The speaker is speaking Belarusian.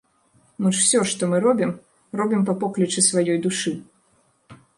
Мы ж усё, што мы робім, робім па поклічы сваёй душы.